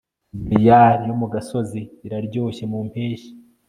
briar yo mu gasozi iraryoshye mu mpeshyi